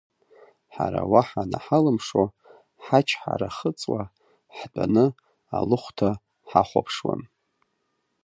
Ҳара уаҳа наҳалымшо, ҳачҳара хыҵуа, ҳтәаны алыхәҭа ҳахәаԥшуан.